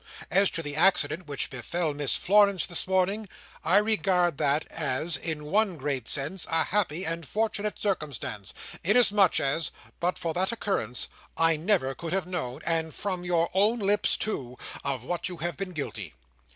As to the accident which befel Miss Florence this morning, I regard that as, in one great sense, a happy and fortunate circumstance; inasmuch as, but for that occurrence, I never could have known—and from your own lips too—of what you had been guilty.